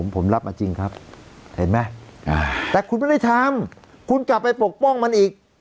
ผมรับมาจริงครับเห็นไหมแต่คุณไม่ได้ทำคุณกลับไปปกป้องมันอีก